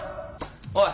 おい。